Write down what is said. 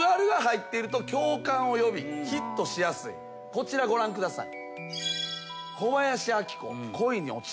こちらご覧ください。